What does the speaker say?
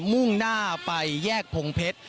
มุ่งหน้าไปแยกพงเพชร